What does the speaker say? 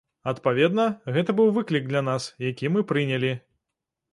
Адпаведна, гэта быў выклік для нас, які мы прынялі.